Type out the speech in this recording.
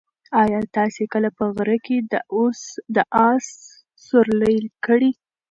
ایا تاسي کله په غره کې د اس سورلۍ کړې؟